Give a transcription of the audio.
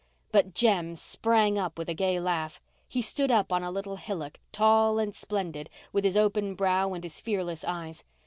But Jem sprang up with a gay laugh. He stood up on a little hillock, tall and splendid, with his open brow and his fearless eyes.